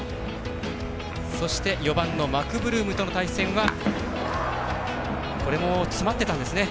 そして、４番のマクブルームとの対戦はこれも詰まってたんですね。